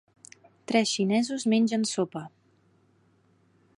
tres xinesos mengen sopa.